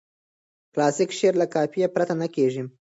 کلاسیک شعر له قافیه پرته نه کیږي.